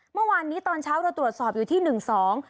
เมื่อวานนี้ตอนเช้าเราตรวจสอบอยู่ที่หนึ่งสอง